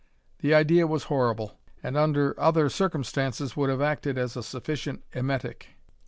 The idea was horrible, and under other circumstances would have acted as a sufficient emetic.